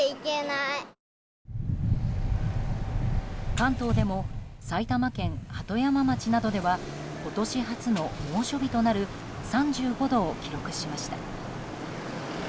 関東でも埼玉県鳩山町などでは今年初の猛暑日となる３５度を記録しました。